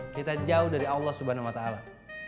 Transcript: kita jauh dari allah subhanahu wa ta'ala